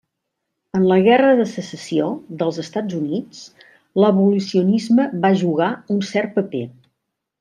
En la Guerra de Secessió dels Estats Units l'abolicionisme va jugar un cert paper.